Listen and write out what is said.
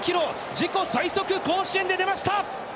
自己最速、甲子園で出ました！